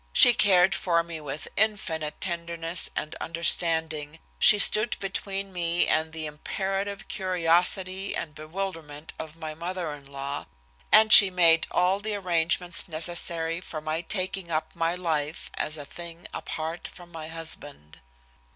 She cared for me with infinite tenderness and understanding, she stood between me and the imperative curiosity and bewilderment of my mother in law, and she made all the arrangements necessary for my taking up my life as a thing apart from my husband.